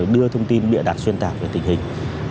đưa thông tin bịa đặt xuyên tạc về tình hình